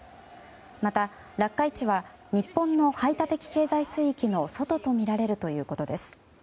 また、落下位置は日本の排他的経済水域の外とみられるということです。